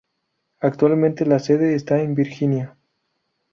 Actualmente la sede está en Virginia.